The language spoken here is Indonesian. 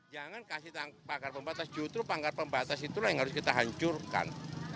jangan kasih tangan ke panggar pembatas jutru panggar pembatas itulah yang harus kita hancurkan